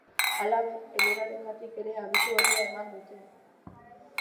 Halaber, elurrarengatik ere abisu horia eman dute.